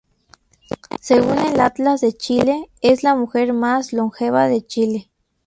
Según el Atlas de Chile, es la mujer más longeva de Chile.